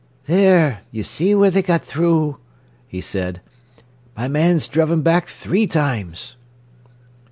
"There, you see where they got through," he said. "My man's druv 'em back three times."